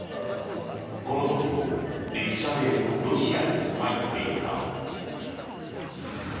この時も列車でロシアに入っていた。